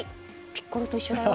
ピッコロと一緒だよ。